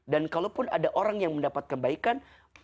dan kalaupun ada orang yang mendapatkan baiknya